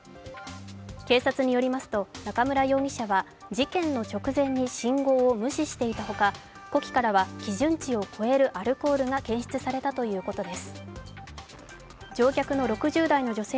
警察によりますと、中村容疑者は事故の直前に信号を無視していたほか呼気からは基準値を超えるアルコールが検出されたということです。